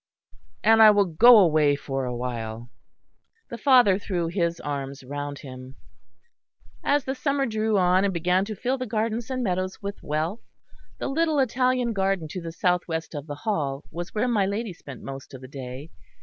And I will go away for a while." The father threw his arms round him. As the summer drew on and began to fill the gardens and meadows with wealth, the little Italian garden to the south west of the Hall was where my lady spent most of the day.